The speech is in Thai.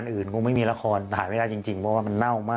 ก็เลยต้องมาไลฟ์ขายของแบบนี้เดี๋ยวดูบรรยากาศกันหน่อยนะคะ